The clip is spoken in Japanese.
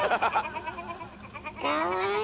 かわいい！